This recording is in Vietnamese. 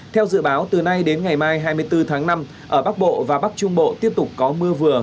theo dự báo từ nay đến ngày mai hai mươi bốn tháng năm ở bắc bộ và bắc trung bộ tiếp tục có mưa vừa